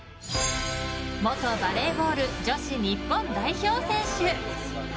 元バレーボール女子日本代表選手。